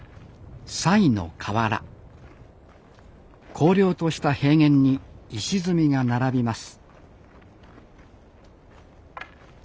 荒涼とした平原に石積みが並びます